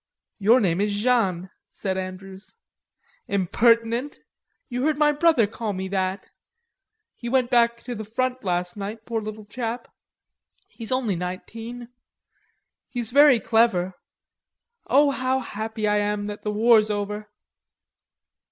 "Your name is Jeanne," said Andrews. "Impertinent! You heard my brother call me that.... He went back to the front that night, poor little chap.... He's only nineteen ... he's very clever.... O, how happy I am now that the war's over."